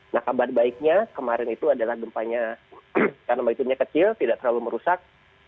nah kabar baiknya kemarin itu adalah gempanya karena maritimnya kecil tidak terlalu merusak